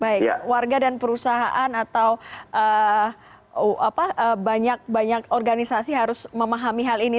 baik warga dan perusahaan atau banyak banyak organisasi harus memahami hal ini